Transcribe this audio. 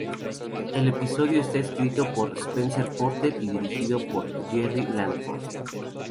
El episodio está escrito por Spencer Porter y dirigido por Jerry Langford.